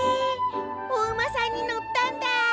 お馬さんにのったんだ。